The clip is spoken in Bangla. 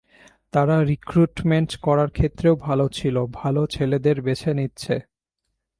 তারা রিক্রুটমেন্ট করার ক্ষেত্রেও ভালো ছাত্র, ভালো ছেলেদের বেছে নিচ্ছে।